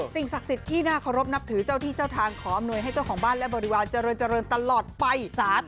สิ่งศักดิ์สิทธิ์ที่น่าเคารพนับถือเจ้าที่เจ้าทางขออำนวยให้เจ้าของบ้านและบริวารเจริญตลอดไป